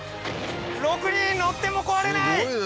６人乗っても壊れない！